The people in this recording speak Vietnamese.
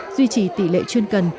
duy trì tỷ lệ chuyên cần